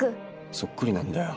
そっくりなんだよ